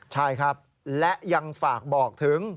ใช่ครับและยังฝากบอกถึง